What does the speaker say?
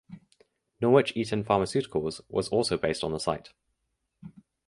Norwich Eaton Pharmaceuticals was also based on the site.